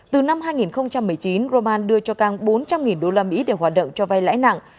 từ năm hai nghìn một mươi chín roman đưa cho cang bốn trăm linh usd để hoạt động cho vay lãi nặng